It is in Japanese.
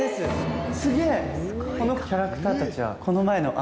このキャラクターたちはこの前の案？